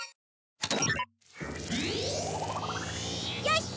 よし！